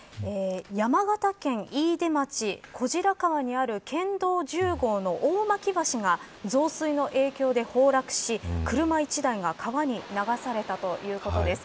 山形県飯豊町小白川にある県道１０号の橋が増水の影響で崩落し車１台が川に流されたということです。